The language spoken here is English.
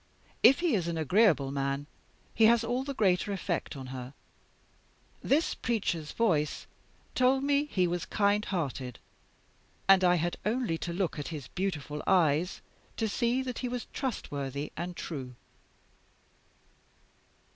If he is an agreeable man, he has all the greater effect on her. This preacher's voice told me he was kind hearted; and I had only to look at his beautiful eyes to see that he was trustworthy and true.